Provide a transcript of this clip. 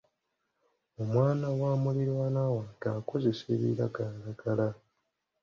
Omwana wa muliraanwa wange akozesa ebiragalalagala.